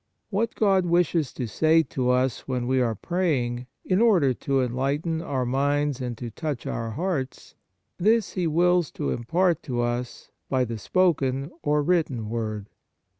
What God wishes to say to us, when we are praying, in order to enlighten our minds and to touch our hearts, this He wills to impart to us by the 108 Instructions and Reading spoken or written word.